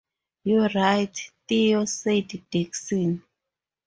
"You're right, Theo," said Dickson.